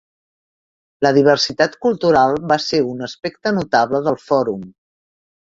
La diversitat cultural va ser un aspecte notable del fòrum.